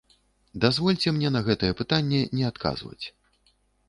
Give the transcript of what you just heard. Дазвольце мне на гэтае пытанне не адказваць.